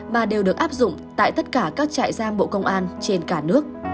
mà đều được áp dụng tại tất cả các trại giam bộ công an trên cả nước